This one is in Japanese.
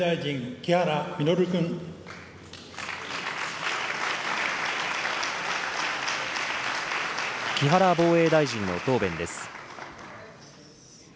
木原防衛大臣の答弁です。